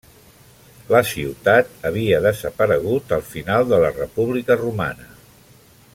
La ciutat havia desaparegut al final de la República romana.